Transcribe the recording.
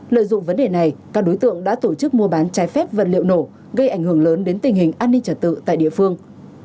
lợi dụng vấn đề này các đối tượng đã tổ chức mua bán trái phép vật liệu nổ gây ảnh hưởng lớn đến tình hình an ninh trật tự tại địa phương